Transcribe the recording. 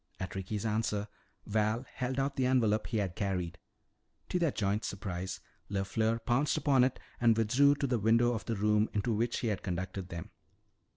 At Ricky's answer, Val held out the envelope he had carried. To their joint surprise, LeFleur pounced upon it and withdrew to the window of the room into which he had conducted them.